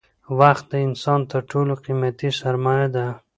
وخت د انسان تر ټولو قیمتي سرمایه ده